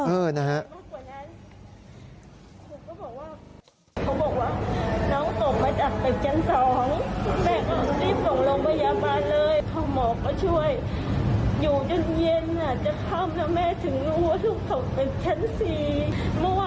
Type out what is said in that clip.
เออนะฮะ